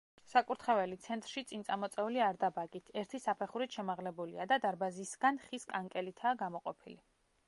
საკურთხეველი, ცენტრში წინწამოწეული არდაბაგით, ერთი საფეხურით შემაღლებულია და დარბაზისგან ხის კანკელითაა გამოყოფილი.